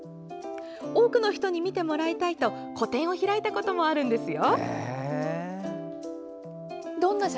多くの人に見てもらいたいと個展を開いたこともあるんですよ。